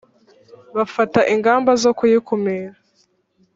bafata ingamba zo kuyikumira